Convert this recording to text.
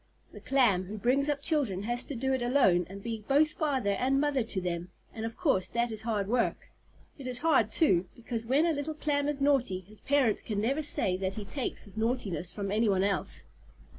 The Clam who brings up children has to do it alone, and be both father and mother to them, and of course that is hard work. It is hard, too, because when a little Clam is naughty, his parent can never say that he takes his naughtiness from any one else.